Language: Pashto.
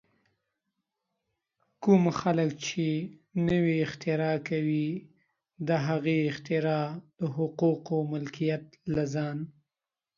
کوم خلک چې نوې اختراع کوي، د هغې اختراع د حقوقو ملکیت له ځان